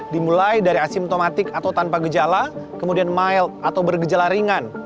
dimulai dari asimptomatik atau tanpa gejala kemudian mild atau bergejala ringan